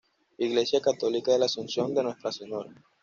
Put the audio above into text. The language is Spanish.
Iglesia católica de la "Asunción de Nuestra Señora.